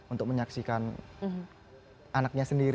untuk menyaksikan anaknya sendiri